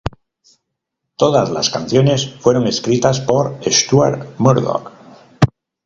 Todas las canciones fueron escritas por Stuart Murdoch.